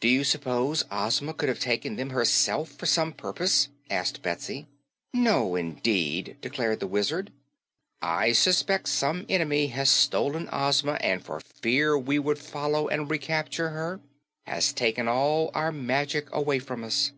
"Do you suppose Ozma could have taken them, herself, for some purpose?" asked Betsy. "No indeed," declared the Wizard. "I suspect some enemy has stolen Ozma and for fear we would follow and recapture her has taken all our magic away from us."